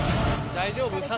大丈夫？